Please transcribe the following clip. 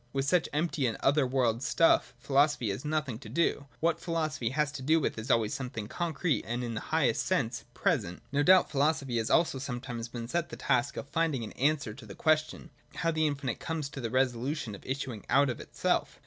With such empty and other world stuff philosophy has nothing to do. What philosophy has to do with is always something concrete and in the highest sense present. No doubt philosophy has also sometimes been set the task of finding an answer to the question, how the infinite comes to the resolution of issuing out of itself.